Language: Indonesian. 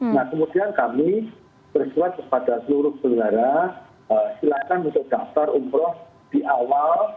nah kemudian kami bersuat kepada seluruh negara silakan untuk daftar omicron di awal